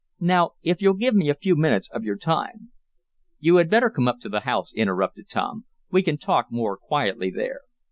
"Now if you'll give me a few minutes of your time " "You had better come up to the house," interrupted Tom. "We can talk more quietly there."